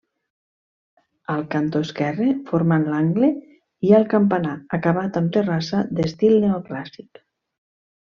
Al cantó esquerre, formant l'angle, hi ha el campanar acabat amb terrassa d'estil neoclàssic.